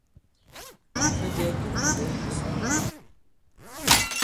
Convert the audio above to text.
Sa jɛ̄ kì nì ŋgǒŋ ìsò.